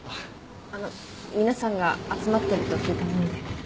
あの皆さんが集まってると聞いたもので。